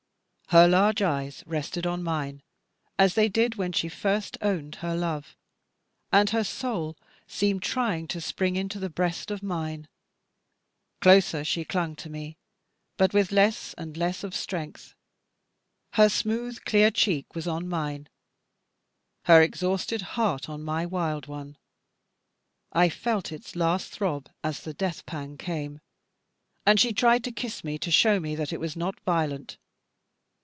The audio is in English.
Her large eyes rested on mine, as they did when she first owned her love; and her soul seemed trying to spring into the breast of mine. Closer to me she clung, but with less and less of strength. Her smooth, clear cheek was on mine, her exhausted heart on my wild one. I felt its last throb, as the death pang came, and she tried to kiss me to show that it was not violent.